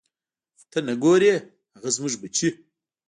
ته نه ګورې هغه زموږ بچی.